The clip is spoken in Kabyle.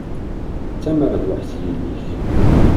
D tamerbuḥt yelli-k.